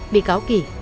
bị cáo kì